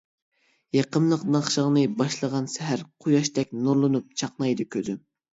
يېقىملىق ناخشاڭنى باشلىغان سەھەر، قۇياشتەك نۇرلىنىپ چاقنايدۇ كۆزۈم.